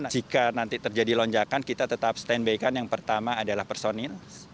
jika nanti terjadi lonjakan kita tetap stand by kan yang pertama adalah personil